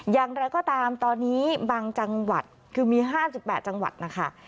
อย่างไรก็ตามตอนนี้บางจังหวัดคือมี๕๘จังหวัดนะคะ